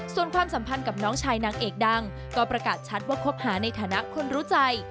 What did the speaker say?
ส่วนความสัมพันธ์กับน้องชายนางเอกดังก็ประกาศชัดว่าคบหาในฐานะคนรู้ใจ